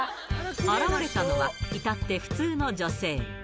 現れたのは、いたって普通の女性。